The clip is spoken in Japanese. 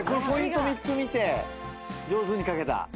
ポイント３つ見て上手に描けた？